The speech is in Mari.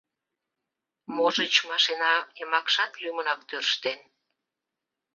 — Можыч, машина йымакшат лӱмынак тӧрштен?